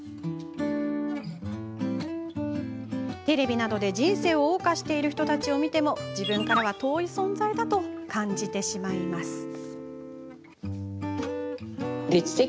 テレビなどで人生をおう歌している人たちを見ても自分からは遠い存在だと感じてしまいます。